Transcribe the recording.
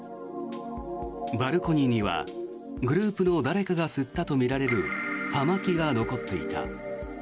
バルコニーにはグループの誰かが吸ったとみられる葉巻が残っていた。